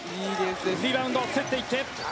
リバウンド競っていって。